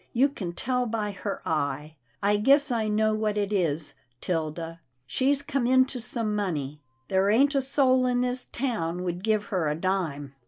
You can tell by her eye. I guess I know what it is, 'Tilda; she's come into some money. There ain't a soul in this town would give her a dime."